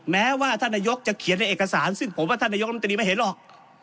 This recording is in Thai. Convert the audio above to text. แม้ว่าท่านนายกจะเขียนในเอกสารซึ่งผมว่าท่านนายกรมตรีไม่เห็นหรอก